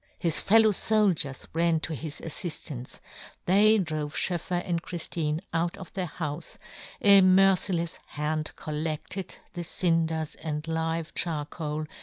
His fellow foldiers ran to his affiflance ; they drove Schoeffer and Chriftine out of their houfe, a mercilefs hand col ledted the cinders and live charcoal, "John Gutenberg.